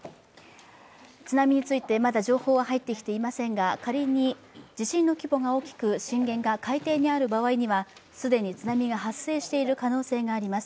津波について、まだ情報は入ってきていませんが、仮に地震の規模が大きく震源が海底にある場合には既に津波が発生している場合があります。